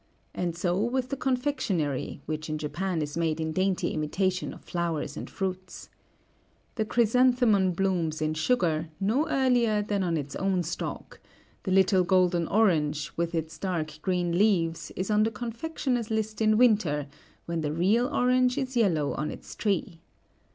And so with the confectionery, which in Japan is made in dainty imitation of flowers and fruits. The chrysanthemum blooms in sugar no earlier than on its own stalk; the little golden orange, with its dark green leaves, is on the confectioner's list in winter, when the real orange is yellow on its tree.